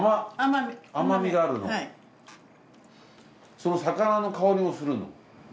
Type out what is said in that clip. その魚の香りもするの？